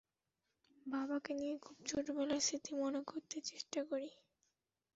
বাবাকে নিয়ে খুব ছোটবেলার স্মৃতি মনে করতে চেষ্টা করি।